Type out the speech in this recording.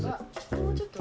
もうちょっと。